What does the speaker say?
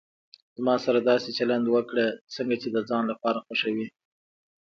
زما سره داسي چلند وکړه، څنګه چي د ځان لپاره خوښوي.